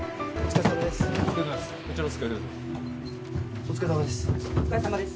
お疲れさまです